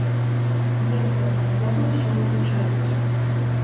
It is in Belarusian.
Гэтыя два словы ўсё ўключаюць.